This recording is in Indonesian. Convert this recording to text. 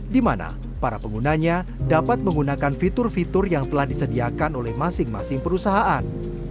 di mana para penggunanya dapat menggunakan fitur fitur yang telah disediakan oleh masing masing perusahaan